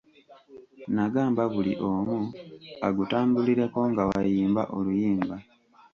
Nagamba buli omu agutambulireko nga wayimba oluyimba.